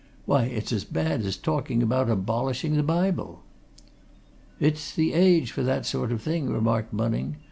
Why, it's as bad as talking about abolishing the Bible!" "It's the age for that sort of thing," remarked Bunning.